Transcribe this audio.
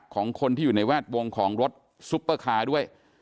ของคนที่อยู่ในแวดวงของรถซุปเปอร์คาร์ด้วย